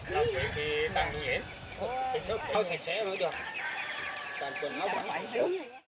không sạch sẽ nữa chứ